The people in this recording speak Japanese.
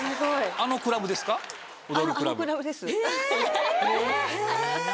あのクラブですハハハ。